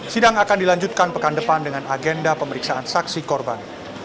sidang akan dilanjutkan pekan depan dengan agenda pemeriksaan saksi korban